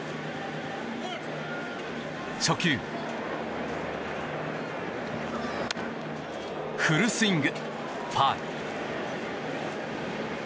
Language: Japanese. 初球フルスイング、ファウル。